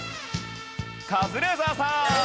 カズレーザーさん！